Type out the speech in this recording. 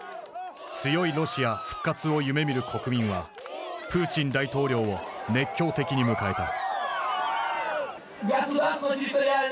強いロシア復活を夢みる国民はプーチン大統領を熱狂的に迎えた。